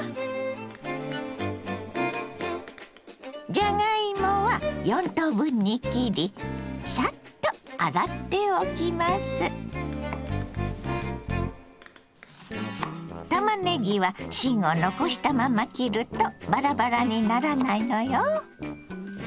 じゃがいもは４等分に切りたまねぎは芯を残したまま切るとバラバラにならないのよ。